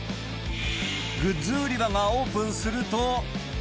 グッズ売り場がオープンすると。